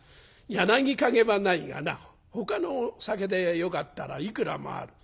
『柳陰』はないがなほかの酒でよかったらいくらもある。